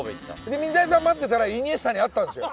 で水谷さん待ってたらイニエスタに会ったんですよ。